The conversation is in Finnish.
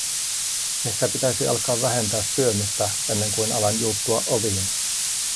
Ehkä pitäisi alkaa vähentää syömistä, ennen kuin alan juuttua oviin.